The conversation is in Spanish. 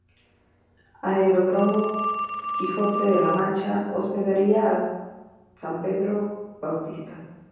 Aeródromo D. Quijote de La Mancha, Hospedería San Pedro Bautista.